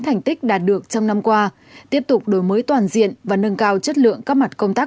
thành tích đạt được trong năm qua tiếp tục đổi mới toàn diện và nâng cao chất lượng các mặt công tác